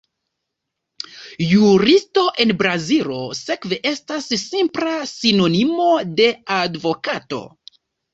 Juristo en Brazilo, sekve, estas simpla sinonimo de advokato.